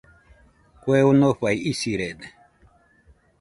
Kue onofai isirede